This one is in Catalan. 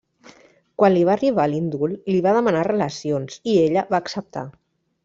Quan li va arribar l'indult, li va demanar relacions i ella va acceptar.